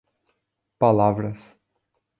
Palavras